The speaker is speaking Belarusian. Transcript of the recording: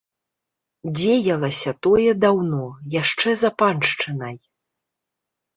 Дзеялася тое даўно, яшчэ за паншчынай.